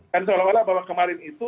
seolah olah bahwa kemarin itu